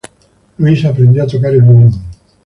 Louis aprendió a tocar el violín.